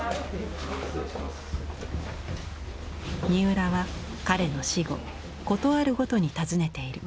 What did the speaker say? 三浦は彼の死後事あるごとに訪ねている。